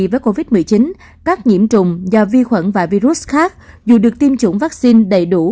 vì chính các nhiễm trùng do vi khuẩn và virus khác dù được tiêm chủng vắc xin đầy đủ